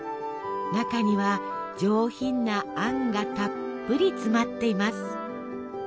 中には上品なあんがたっぷり詰まっています。